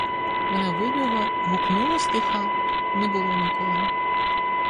Вона вибігла, гукнула стиха, — не було нікого.